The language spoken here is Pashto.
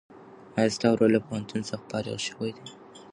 ایا ستا ورور له پوهنتون څخه فارغ شوی دی؟